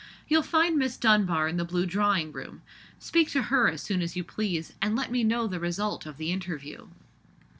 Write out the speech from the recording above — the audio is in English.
You'll find Miss Dunbar in the blue drawing room. Speak to her as soon as you please; and let me know the result of the interview."